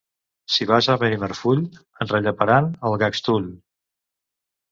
Si vas a Benimarfull, et relleparan el gaxtull.